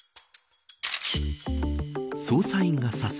捜査員が指す